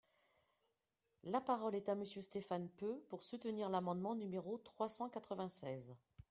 La parole est à Monsieur Stéphane Peu, pour soutenir l’amendement numéro trois cent quatre-vingt-seize.